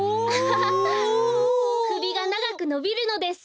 アハハくびがながくのびるのです。